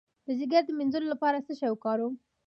د ځیګر د مینځلو لپاره باید څه شی وکاروم؟